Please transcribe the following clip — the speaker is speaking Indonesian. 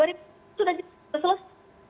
itu sudah selesai